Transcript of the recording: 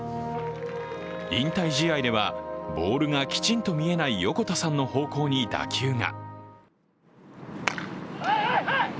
引退試合ではボールがきちんと見えない横田さんの方向に打球が。